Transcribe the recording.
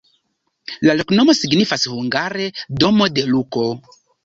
La loknomo signifas hungare: domo de Luko.